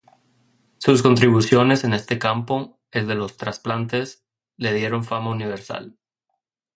Sus contribuciones en este campo, el de los trasplantes, le dieron fama universal.